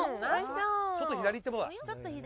ちょっと左行ってもうた。